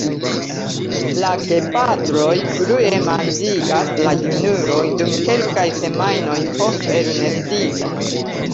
La gepatroj plue manĝigas la junuloj dum kelkaj semajnoj post elnestiĝo.